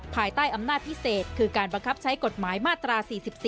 ภายใต้อำนาจพิเศษคือการบังคับใช้กฎหมายมาตรา๔๔